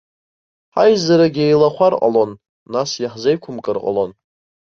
Ҳаизарагьы еилахәар ҟалон, нас иаҳзеиқәымкыр ҟалон.